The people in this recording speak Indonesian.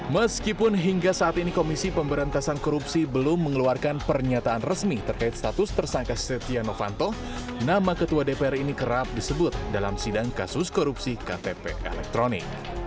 meskipun hingga saat ini komisi pemberantasan korupsi belum mengeluarkan pernyataan resmi terkait status tersangka setia novanto nama ketua dpr ini kerap disebut dalam sidang kasus korupsi ktp elektronik